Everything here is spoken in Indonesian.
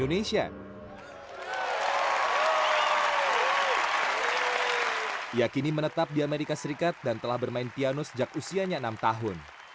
dia kini menetap di amerika serikat dan telah bermain piano sejak usianya enam tahun